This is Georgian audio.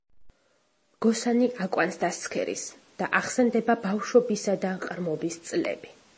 მგოსანი აკვანს დასცქერის და ახსენდება ბავშვობისა და ყრმობის წლები.